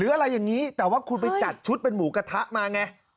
อะไรอย่างนี้แต่ว่าคุณไปจัดชุดเป็นหมูกระทะมาไง